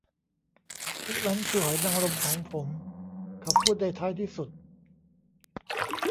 พวกนั้นคือหอยนางรมของผม เขาพูดในท้ายที่สุด